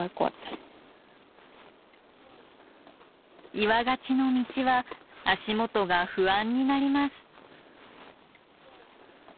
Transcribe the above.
岩がちの道は足元が不安になります